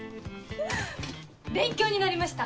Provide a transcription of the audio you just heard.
勉強になりました